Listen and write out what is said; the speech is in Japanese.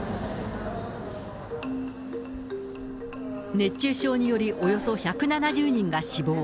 熱中症によりおよそ１７０人が死亡。